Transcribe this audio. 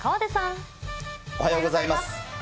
おはようございます。